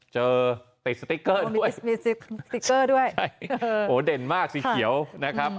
เจอมีสติกเกอร์ด้วยโอ้เด่นมากนะครับสีเขียวนะครับ